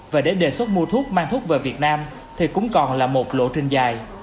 và để đề xuất mua thuốc mang thuốc về việt nam thì cũng còn là một lộ trình dài